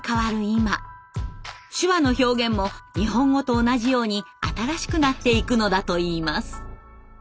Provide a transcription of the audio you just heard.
今手話の表現も日本語と同じように新しくなっていくのだといいます。